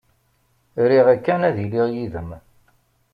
Riɣ kan ad iliɣ yid-m.